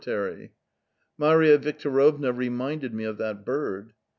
And Maria Yictorovna reminded me of the bird.